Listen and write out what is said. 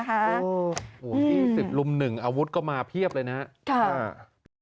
โอ้โฮที่สิทธิ์รุ่มหนึ่งอาวุธก็มาเพียบเลยนะฮะค่ะอ่า